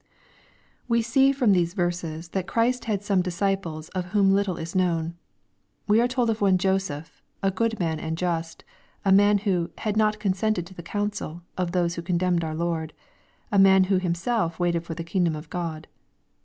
LUKE; CHAP. XXIII. ' 485 Wk see from these verses that Christ has some disciples of whom Utile is known. We are told of one Joseph, " a good man and a just," — ^a mau who *' had not consented to the counsel" of those who condemned our Lord, — a man who " himself waited for the kingdom of God."